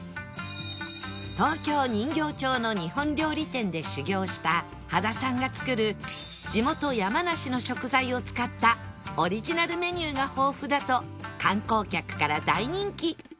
東京人形町の日本料理店で修業した羽田さんが作る地元山梨の食材を使ったオリジナルメニューが豊富だと観光客から大人気